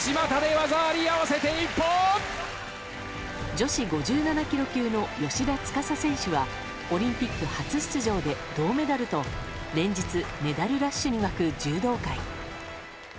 女子５７ｋｇ級の芳田司選手はオリンピック初出場で銅メダルと連日メダルラッシュに沸く柔道界。